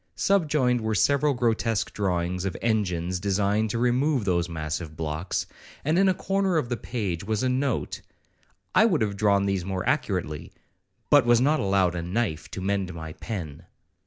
Subjoined were several grotesque drawings of engines designed to remove those massive blocks, and in a corner of the page was a note,—'I would have drawn these more accurately, but was not allowed a knife to mend my pen.'